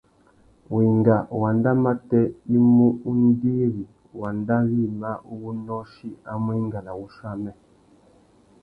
Wenga wanda matê i mú undiri wanda wïmá uwú nôchï a mú enga na wuchiô amê.